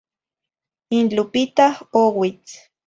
In Lupita ouitz.